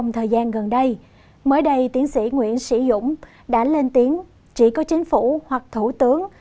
theo tiến sĩ nguyễn sĩ dũng chỉ có chính phủ hoặc thủ tướng